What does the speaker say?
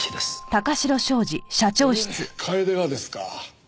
えっ楓がですか？